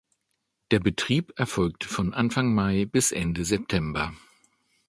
Der Betrieb erfolgt von Anfang Mai bis Ende September.